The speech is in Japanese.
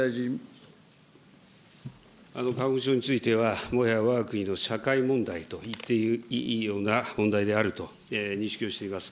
花粉症については、もはやわが国の社会問題と言っていいような問題であると認識をしております。